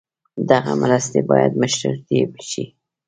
دغه مرستې باید مشروطې شي.